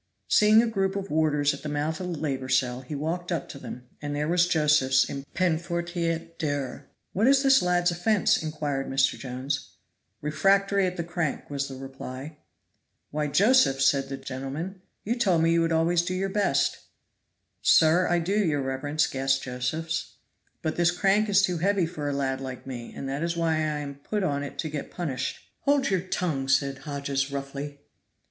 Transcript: Seeing a group of warders at the mouth of the labor cell, he walked up to them, and there was Josephs in peine forte et dure. "What is this lad's offense?" inquired Mr. Jones. "Refractory at the crank," was the reply. "Why, Josephs," said the reverend gentleman, "you told me you would always do your best." "So I do, your reverence," gasped Josephs; "but this crank is too heavy for a lad like me, and that is why I am put on it to get punished." "Hold your tongue," said Hodges roughly.